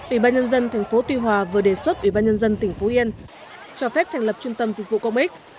ủy ban nhân dân tp tuy hòa vừa đề xuất ủy ban nhân dân tỉnh phú yên cho phép thành lập trung tâm dịch vụ công ích